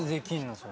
それ。